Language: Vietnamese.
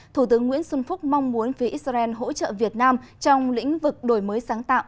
thủ tướng nguyễn xuân phúc mong muốn phía israel hỗ trợ việt nam trong lĩnh vực đổi mới sáng tạo